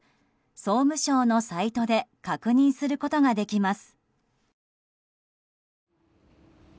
総務省のサイトで確認することができます。